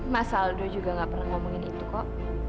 mas aldo juga gak pernah ngomongin itu kok